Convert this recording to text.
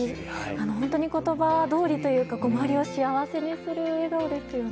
本当に言葉どおりというか周りを幸せにする笑顔ですよね。